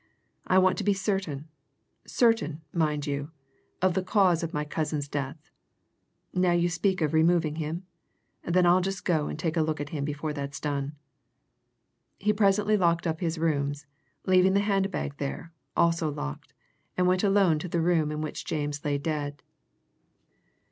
I want to be certain certain, mind you! of the cause of my cousin's death. Now you speak of removing him? Then I'll just go and take a look at him before that's done." He presently locked up his rooms, leaving the hand bag there, also locked, and went alone to the room in which James lay dead.